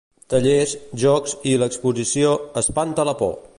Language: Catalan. Tallers, jocs i l'exposició "Espanta la por!".